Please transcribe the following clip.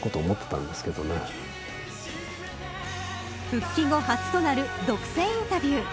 復帰後初となる独占インタビュー。